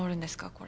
これ。